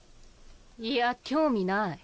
いや興味ない。